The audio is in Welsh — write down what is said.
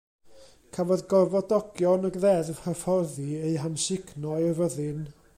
Cafodd gorfodogion y ddeddf hyfforddi eu hamsugno i'r fyddin.